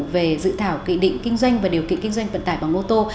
về dự thảo kỳ định kinh doanh và điều kiện kinh doanh vận tải bằng ô tô